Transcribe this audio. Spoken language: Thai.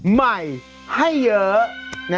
ใหม่ให้เยอะ